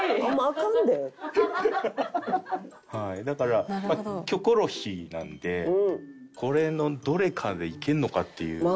だから『キョコロヒー』なんでこれのどれかでいけんのかっていう。